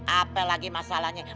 apa lagi masalahnya